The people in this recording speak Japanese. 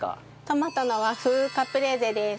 トマトの和風カプレーゼです。